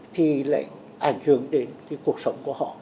thì lại ảnh hưởng đến cái cuộc sống của họ